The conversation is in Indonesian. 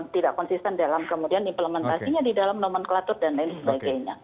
tidak konsisten dalam kemudian implementasinya di dalam nomenklatur dan lain sebagainya